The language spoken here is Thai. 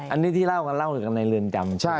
อันนี้ที่เล่ากันเล่ากันในเรือนจำใช่ไหม